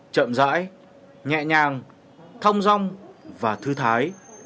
chậm dãi nhẹ nhàng thong rong và thư thái